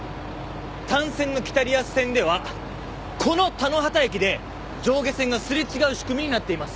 単線の北リアス線ではこの田野畑駅で上下線がすれ違う仕組みになっています。